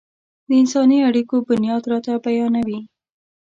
د انساني اړيکو بنياد راته بيانوي.